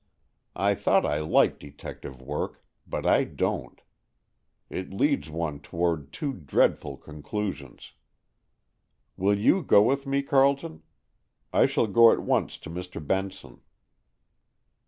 I thought I liked detective work, but I don't. It leads one toward too dreadful conclusions. Will you go with me, Carleton? I shall go at once to Mr. Benson."